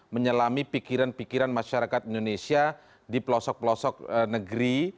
menyelami pikiran pikiran masyarakat indonesia di pelosok pelosok negeri